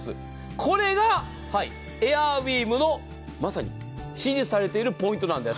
これがエアウィーヴの、まさに支持されているポイントなんです。